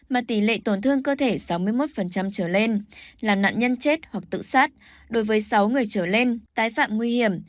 mà tỷ lệ tổn thương cơ thể sáu mươi một trở lên làm nạn nhân chết hoặc tự sát đối với sáu người trở lên tái phạm nguy hiểm